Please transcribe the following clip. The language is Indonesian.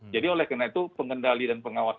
jadi oleh karena itu pengendali dan pengawas